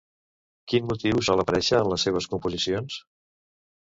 Quin motiu sol reaparèixer en les seves composicions?